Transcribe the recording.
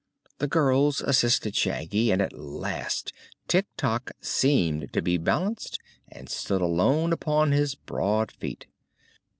The girls assisted Shaggy, and at last Tik Tok seemed to be balanced and stood alone upon his broad feet.